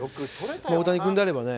大谷君であればね